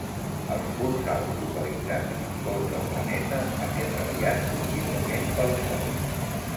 Els punts alts localitzats en els pols del planeta estan irradiats contínuament pel Sol.